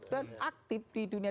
dan aktif di dunia